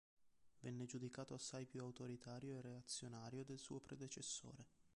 Venne giudicato assai più autoritario e reazionario del suo predecessore.